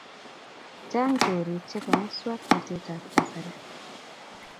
Chang chorik chepo muswak natet ab kasari